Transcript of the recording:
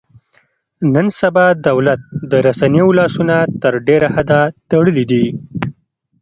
نن سبا دولت د رسنیو لاسونه تر ډېره حده تړلي دي.